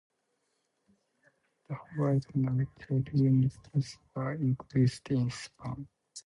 The horizontal tail units were increased in span.